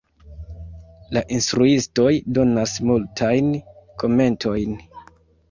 La instruistoj donas multajn komentojn.